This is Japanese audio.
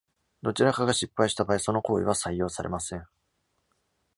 どちらかが失敗した場合、その行為は採用されません。